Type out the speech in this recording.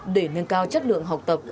để nâng cao chất lượng học tập